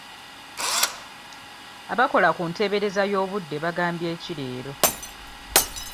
Abakola ku nteebereza y'obudde bagambye ki leero?